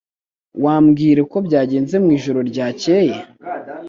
Wambwira uko byagenze mwijoro ryakeye